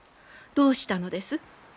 どうしたのです？